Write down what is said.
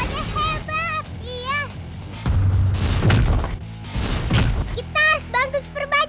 kita harus bantu super bajaj